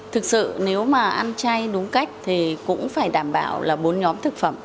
thực sự nếu mà ăn chay đúng cách thì cũng phải đảm bảo là bốn nhóm thực phẩm